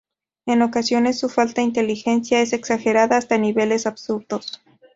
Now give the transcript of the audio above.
En ocasiones, su falta inteligencia es exagerada hasta niveles absurdos.